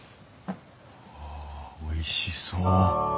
わあおいしそう。